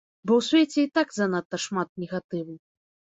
Бо ў свеце і так занадта шмат негатыву.